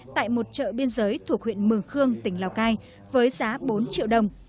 tại một chợ biên giới thuộc huyện mường khương tỉnh lào cai với giá bốn triệu đồng